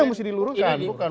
itu yang harus diluruskan